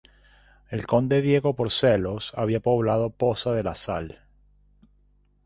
El conde Diego Porcelos había poblado Poza de la Sal.